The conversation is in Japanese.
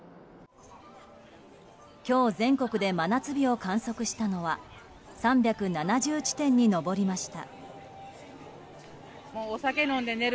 今日全国で真夏日を観測したのは３７０地点に上りました。